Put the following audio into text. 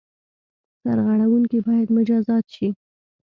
سرغړوونکي باید مجازات شي.